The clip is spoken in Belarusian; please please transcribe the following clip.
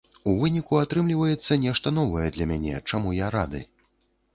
У выніку атрымліваецца нешта новае для мяне, чаму я рады.